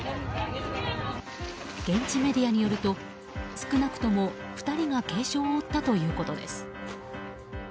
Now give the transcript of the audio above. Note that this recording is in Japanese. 現地メディアによると少なくとも２人が軽傷を負ったということです。